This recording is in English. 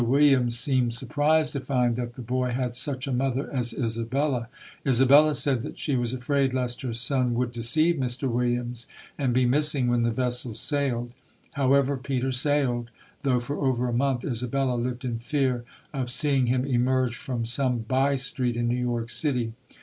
Williams seemed surprised to find that the boy had such a mother as Isabella. Isabella said that she was afraid lest her son would deceive Mr. Williams and be missing when the vessel sailed. However, Peter sailed ; though for over a month Isabella lived in fear of seeing him emerge from some by street in New York City.